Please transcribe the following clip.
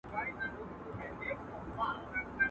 زه چي هر څومره زړيږم حقیقت را څرګندیږي.